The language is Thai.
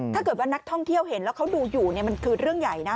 ถ้าเกิดว่านักท่องเที่ยวเห็นแล้วเขาดูอยู่มันคือเรื่องใหญ่นะ